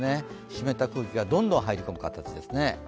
湿った空気がどんどん入り込む形ですね。